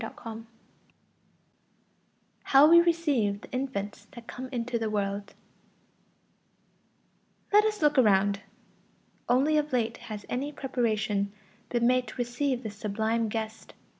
=How we receive the infants that come into the world=. Let us look around. Only of late has any preparation been made to receive this sublime guest.